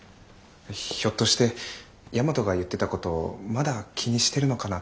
ひょっとして大和が言ってたことまだ気にしてるのかなって。